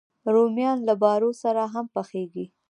رومیان له بارو سره هم پخېږي